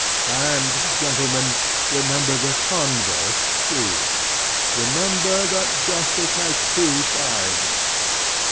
And, gentlemen, remember the converse, too. Remember that justice has two sides.